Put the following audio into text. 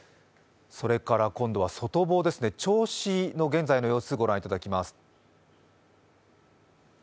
今度は外房、銚子の現在の様子、ご覧いただきます。